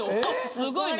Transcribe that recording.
すごいな。